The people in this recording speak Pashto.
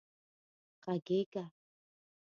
غږېږه